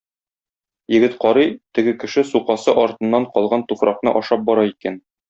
Егет карый, теге кеше сукасы артыннан калган туфракны ашап бара икән.